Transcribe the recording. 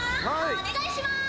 お願いします。